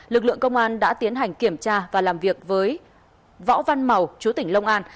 lực lượng công an đã tiến hành kiểm tra và làm việc với võ văn màu chú tỉnh long an